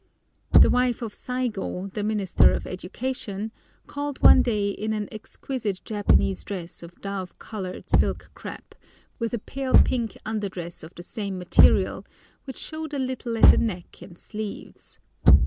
The wife of Saigo, the Minister of Education, called one day in an exquisite Japanese dress of dove coloured silk crêpe, with a pale pink under dress of the same material, which showed a little at the neck and sleeves.